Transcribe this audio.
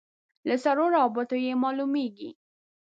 له سړو رابطو یې معلومېږي.